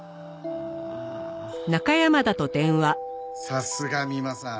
さすが三馬さん。